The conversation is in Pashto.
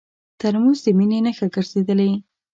ترموز د مینې نښه ګرځېدلې.